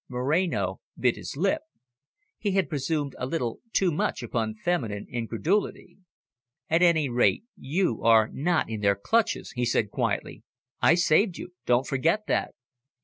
Moreno bit his lip; he had presumed a little too much upon feminine incredulity. "At any rate, you are not in their clutches," he said quietly. "I saved you. Don't forget that."